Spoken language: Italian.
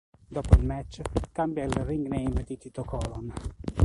Dopo il match, cambia il ring name di Tito Colon.